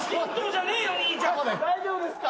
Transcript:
大丈夫ですか？